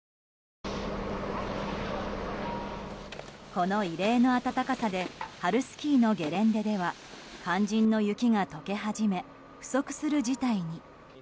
この異例の暖かさで春スキーのゲレンデでは肝心の雪が解け始め不足する事態に。